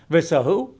về sở hữu